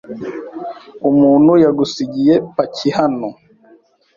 Umuntu yagusigiye paki hano.